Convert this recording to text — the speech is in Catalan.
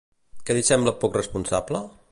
Què li sembla poc responsable?